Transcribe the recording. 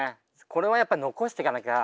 これはやっぱ残してかなきゃ。